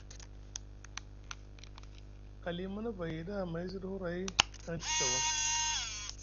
Aliɗi Manavay eɗa amay sɗi huray aŋ Ɵi dawaŋ.